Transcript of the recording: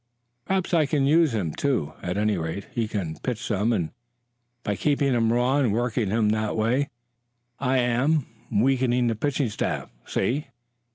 "Perhaps I can use him, too. At any rate, he can pitch some, and by keeping him raw and working him the way I am, I'm weakening the pitching staff. See?"